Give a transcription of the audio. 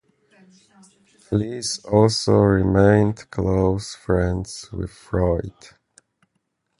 Fliess also remained close friends with Freud.